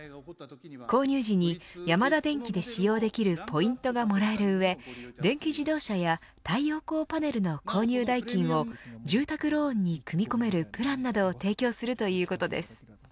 購入時にヤマダデンキで使用できるポイントがもらえる上電気自動車や太陽光パネルの購入代金を住宅ローンに組み込めるプランなどを提供するということです。